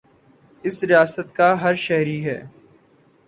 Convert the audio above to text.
اس ریاست کا ہر شہری ہے